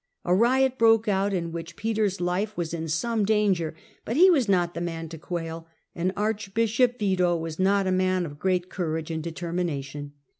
A riot, broke out, in which Peter's life was in some danger; but he was not the man to quail, and archbishop Wido was not a man of great courage and determination.